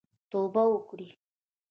توبه وکړئ